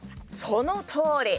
そのとおり。